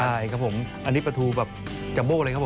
ใช่ครับอันนี้ปราธูจับโม้เลยครับ